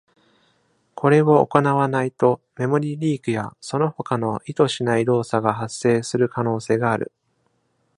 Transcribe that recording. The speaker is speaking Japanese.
これを行わないと、メモリリークやその他の意図しない動作が発生する可能性がある。